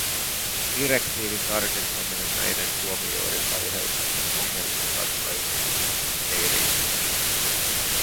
Direktiivin tarkistaminen näiden tuomioiden aiheuttamien ongelmien ratkaisemiseksi ei riitä.